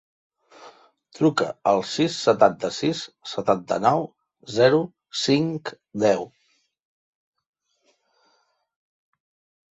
Truca al sis, setanta-sis, setanta-nou, zero, cinc, deu.